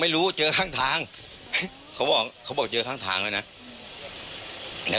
พี่สมหมายก็เลย